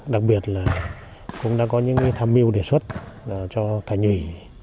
đặc biệt là chúng ta có những tham mưu đề xuất cho thành ủy